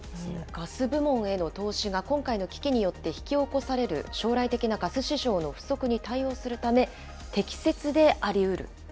ガス部門への投資が今回の危機によって引き起こされる将来的なガス市場の不足に対応するため、適切でありうる。